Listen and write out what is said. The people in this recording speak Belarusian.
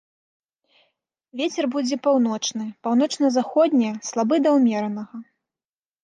Вецер будзе паўночны, паўночна-заходні слабы да ўмеранага.